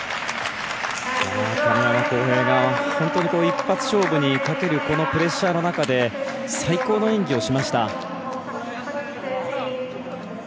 亀山耕平が本当に一発勝負にかけるこのプレッシャーの中で最高の演技をしました。